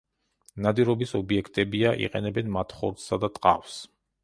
ნადირობის ობიექტებია, იყენებენ მათ ხორცსა და ტყავს.